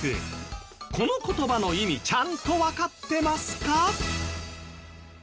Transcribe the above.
この言葉の意味ちゃんとわかってますか？